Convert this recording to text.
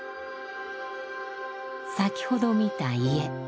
先ほど見た家。